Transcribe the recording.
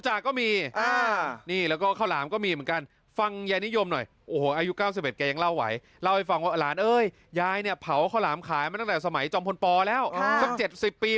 ใช่แล้วก็ไอ้กาบมะพร้าวที่ไม่ไหม้เนี่ย